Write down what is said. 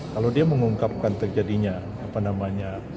kalau dia mengungkapkan terjadinya apa namanya